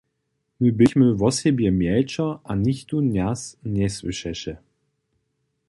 My běchmy wosebje mjelčo a nichtó nas njesłyšeše.